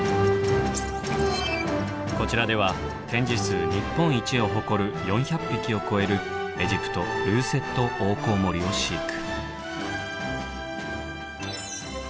こちらでは展示数日本一を誇る４００匹を超えるエジプトルーセットオオコウモリを飼育。